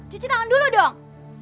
cuci tangan dulu dong